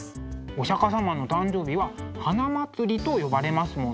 お釈様の誕生日は花祭りと呼ばれますもんね。